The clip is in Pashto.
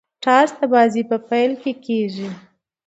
ټاس د بازۍ په پیل کښي کیږي.